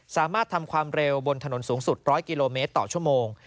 สามารถทำความเร็วบนถนนสูงสุด๑๐๐กิโลเมตรต่อชั่วโมง